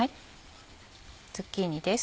ズッキーニです。